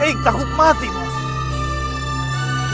eik takut mati mak